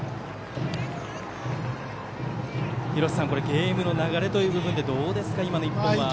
ゲームの流れという部分でどうですか、今の１本は。